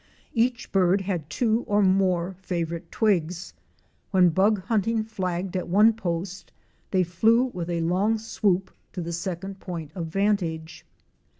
Each bird had two or more favorite twigs. When bug hunting flagged at one post they flew with a long swoop to the second point of vantage.